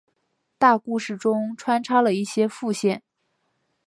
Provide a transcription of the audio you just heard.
大故事中穿插了一些副线。